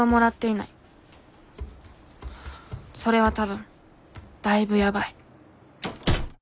それは多分だいぶやばい。